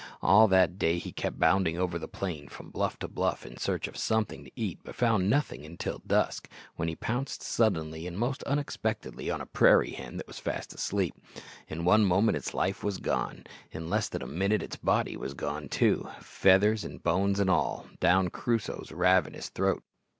All that day he kept bounding over the plain from bluff to bluff in search of something to eat, but found nothing until dusk, when he pounced suddenly and most unexpectedly on a prairie hen fast asleep. In one moment its life was gone. In less than a minute its body was gone too feathers and bones and all down Crusoe's ravenous throat.